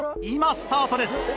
今スタートです。